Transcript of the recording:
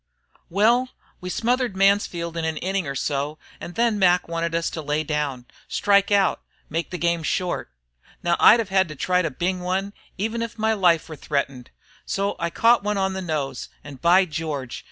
"Well, we smothered Mansfield in an inning or so, and then Mac wanted us to lay down, strike out, make the game short. Now I'd have to try to bing one, even if my life were threatened. So I caught one on the nose, and, by George!